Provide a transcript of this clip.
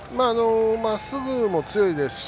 まっすぐも強いですし